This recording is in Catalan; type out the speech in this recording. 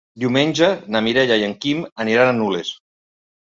Diumenge na Mireia i en Quim aniran a Nules.